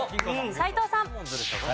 斎藤さん！